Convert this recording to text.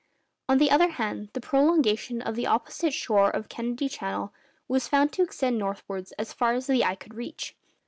On the other hand, the prolongation of the opposite shore of Kennedy Channel was found to extend northwards as far as the eye could reach.